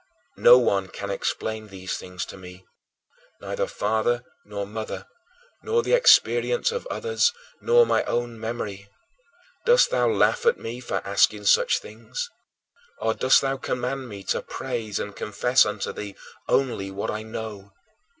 No one can explain these things to me, neither father nor mother, nor the experience of others, nor my own memory. Dost thou laugh at me for asking such things? Or dost thou command me to praise and confess unto thee only what I know?